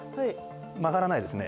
曲がらないですね。